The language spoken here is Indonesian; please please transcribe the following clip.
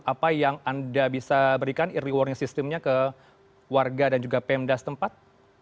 apa yang anda bisa berikan rewardnya sistemnya ke warga dan juga pmdas tempat